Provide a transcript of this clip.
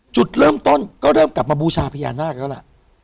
จุดเริ่มต้นก็เริ่มกลับมาบูชาพญานาคแล้วล่ะ